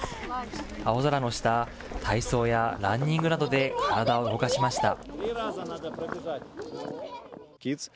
青空の下、体操やランニングなどで体を動かしました。